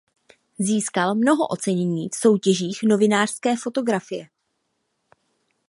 Získal mnoho ocenění v soutěžích novinářské fotografie.